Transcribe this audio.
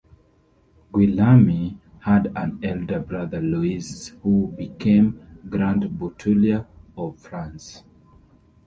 Guillaume had an elder brother Louis, who became Grand Bouteiller of France.